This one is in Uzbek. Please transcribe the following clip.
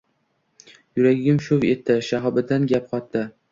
Yuragim shuv etdi. Shahobiddin gap qotdi: